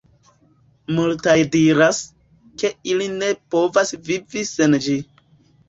Multaj diras, ke ili ne povas vivi sen ĝi.